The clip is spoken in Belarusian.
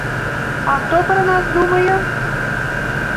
А хто пра нас думае?